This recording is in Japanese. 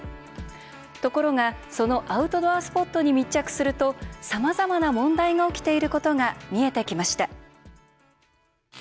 ところが、そのアウトドアスポットに密着するとさまざまな問題が起きていることが見えてきました。